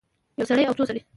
یو سړی او څو سړي